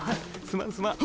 すまんすまん。